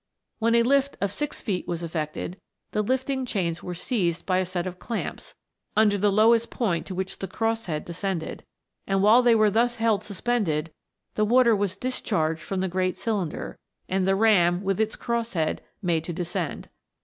When a lift of six feet was effected, the lifting chains were seized by a set of clamps, under the lowest point to which the cross head descended, and while they were thus held suspended, the water was discharged from the great cylinder, and the ram, with its cross head, made to descend.